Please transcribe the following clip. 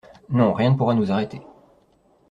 Non, rien ne pourra nous arrêter.